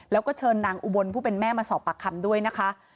แล้วก็เชิญนางอุบลผู้เป็นแม่มาสอบปากคำด้วยนะคะ